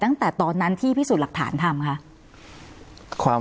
ตั้งแต่ตอนนั้นที่พิสูจน์หลักฐานทำคะ